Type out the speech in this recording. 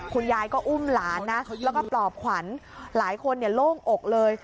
คุณยายก็อุ้มหลานนะแล้วก็ปลอบขวัญหลายคนโล่งอกเลย